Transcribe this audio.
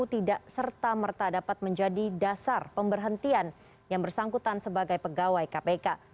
tidak serta merta dapat menjadi dasar pemberhentian yang bersangkutan sebagai pegawai kpk